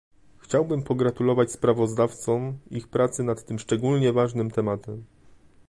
Chciałbym pogratulować sprawozdawcom ich pracy nad tym szczególnie ważnym tematem